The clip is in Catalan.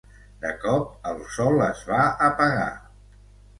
De cop, el sol es va apagar.